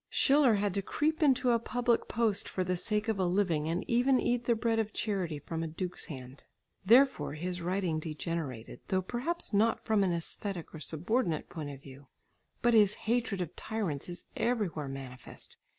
Schiller had to creep into a public post for the sake of a living and even eat the bread of charity from a duke's hand. Therefore his writing degenerated, though perhaps not from an æsthetic or subordinate point of view. But his hatred of tyrants is everywhere manifest.